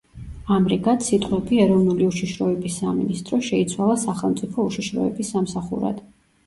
ამრიგად, სიტყვები „ეროვნული უშიშროების სამინისტრო“ შეიცვალა „სახელმწიფო უშიშროების სამსახურად“.